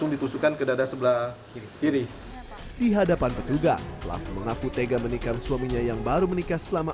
di hadapan petugas pelaku mengaku tega menikam suaminya yang baru menikah selama